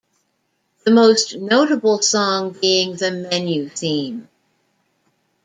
The most notable song being the menu theme.